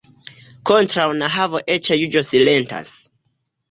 Kontraŭ nehavo eĉ juĝo silentas.